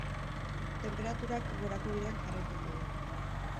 Tenperaturak gorako bidean jarraituko du.